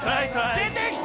出てきた！